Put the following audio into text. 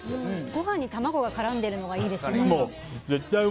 ご飯に卵が絡んでいるのがいいですね。